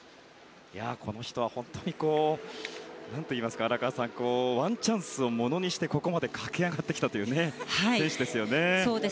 この人は本当に、荒川さんワンチャンスをものにしてここまで駆け上がってきたという選手ですよね。